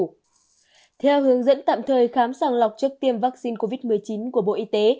theo hướng dẫn tạm thời khám sàng lọc trước tiêm vaccine covid một mươi chín của bộ y tế